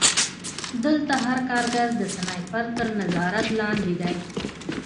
دلته هر کارګر د سنایپر تر نظارت لاندې دی